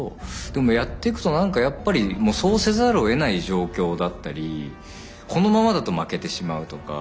でもやっていくと何かやっぱりもうそうせざるをえない状況だったりこのままだと負けてしまうとか。